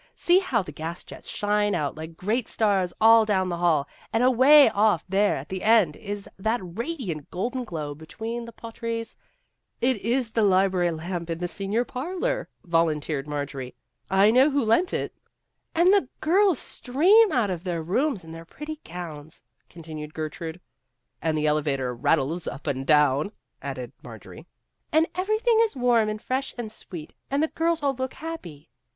See how the gas jets shine out like great stars all down the hall, and away off there at the end is that radiant golden globe between the portieres " It is the library lamp in the senior parlor," volunteered Marjorie. " I know who lent it." " And the girls stream out from their rooms in their pretty gowns," continued Gertrude. " And the elevator rattles up and down," added Marjorie. " And everything is warm and fresh and sweet, and the girls all look happy."